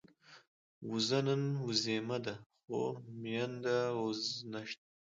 وزه نن وزيمه ده، خو مينده وز نشته